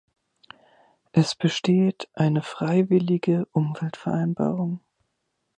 Es besteht eine freiwillige Umweltvereinbarung.